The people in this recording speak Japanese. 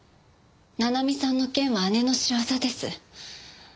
七海さんの件は姉の仕業です。